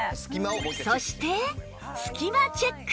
そして隙間チェック！